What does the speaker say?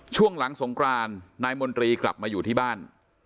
ช่วงหลังสงครานนายมนตรีกลับมาอยู่ที่บ้าน